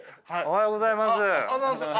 おはようございます！